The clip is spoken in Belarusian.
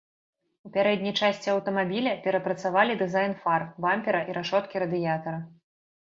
У пярэдняй часці аўтамабіля перапрацавалі дызайн фар, бампера і рашоткі радыятара.